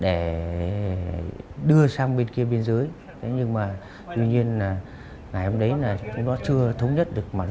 để đưa sang bên kia biên giới nhưng mà tuy nhiên là ngày hôm đấy là chúng nó chưa thống nhất được về mặt giá cả